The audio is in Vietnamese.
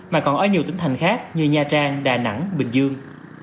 mà còn ở nhiều tỉnh thành khác như nha trang đà nẵng bình dương